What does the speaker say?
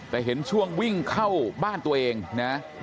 แต่เห็นช่วงวิ่งเข้าบ้านตัวเองนะ